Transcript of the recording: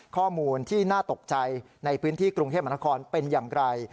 ข้อมูลที่น่าตกใจในพื้นที่กรุงเทพมหานครเป็นอย่างไร